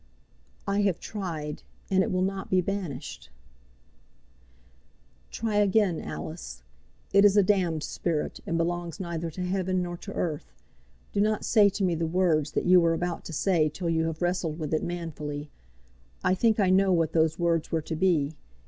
"I have tried, and it will not be banished." "Try again, Alice. It is a damned spirit, and belongs neither to heaven nor to earth. Do not say to me the words that you were about to say till you have wrestled with it manfully. I think I know what those words were to be.